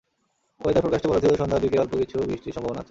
Weather ফোরকাস্টে বলা ছিল সন্ধ্যার দিকে অল্প কিছু বৃষ্টির সম্ভাবনা আছে।